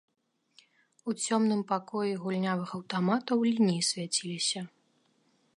У цёмным пакоі гульнявых аўтаматаў лініі свяціліся.